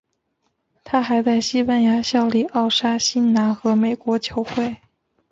他还在西班牙效力奥沙辛拿和美国球会。